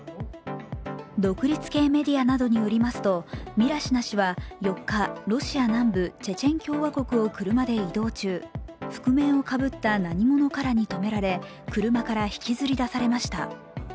独立系メディアなどによりますとミラシナ氏は４日、ロシア南部チェチェン共和国を車で移動中、覆面をかぶった何者からに止められ、車から引きずり出されました。